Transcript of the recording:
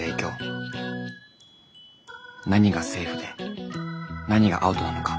何がセーフで何がアウトなのか。